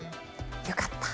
よかった！